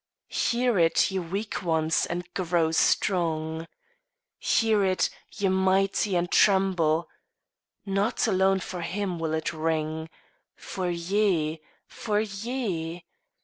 Hear it, ye weak ones and grow strong. Hear it, ye mighty and tremble. Not alone for him will it ring. For ye! for ye!